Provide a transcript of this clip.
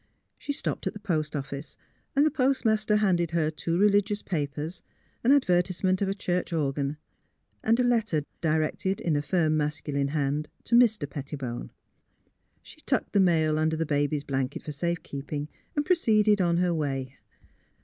She stopped at the post office, and the postmaster handed her two religious papers, an advertise ment of a church organ, and a letter, directed in a firm, masculine hand to Mr. Pettibone. She tucked the mail under the baby's blanket for safe keeping and proceeded on her way.